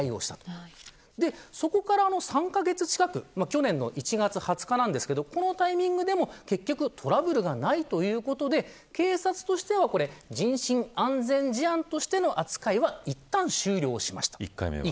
そこから、３カ月近く去年の１月２０日なんですがこのタイミングでも、結局トラブルがないということで警察としては人身安全事案としての扱いはいったん、終了しました。